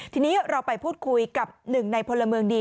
ทีนี้เราไปพูดคุยกับหนึ่งในพลเมืองดี